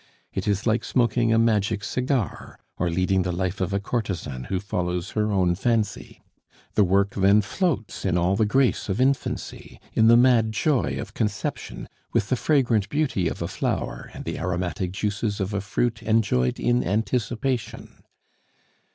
It is like smoking a magic cigar or leading the life of a courtesan who follows her own fancy. The work then floats in all the grace of infancy, in the mad joy of conception, with the fragrant beauty of a flower, and the aromatic juices of a fruit enjoyed in anticipation.